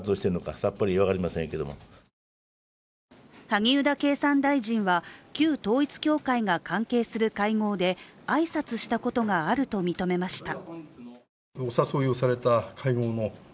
萩生田経産大臣は旧統一教会が関係する会合で、挨拶したことがあると認めました。